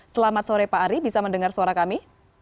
selamat sore pak ari bisa mendengar suara kami